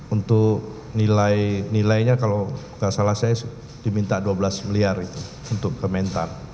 untuk nilai nilainya kalau nggak salah saya diminta dua belas miliar itu untuk komentar